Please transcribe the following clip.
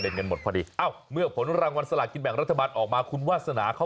นี่ฉันนึกว่าคุณจะทำอยากถ์